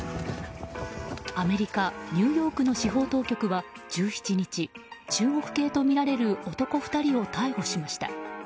アメリカ・ニューヨークの司法当局は１７日中国系とみられる男２人を逮捕しました。